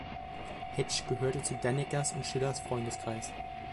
Hetsch gehörte zu Danneckers und Schillers Freundeskreis.